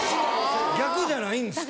逆じゃないんですか。